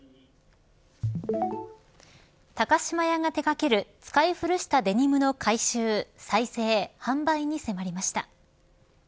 高島屋が手掛ける使い古したデニムの回収再生、販売に迫りました。